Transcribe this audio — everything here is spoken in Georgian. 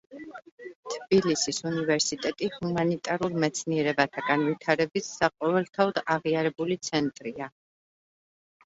თბილისის უნივერსიტეტი ჰუმანიტარულ მეცნიერებათა განვითარების საყოველთაოდ აღიარებული ცენტრია.